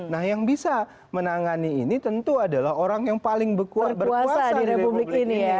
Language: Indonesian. nah yang bisa menangani ini tentu adalah orang yang paling berkuasa di republik ini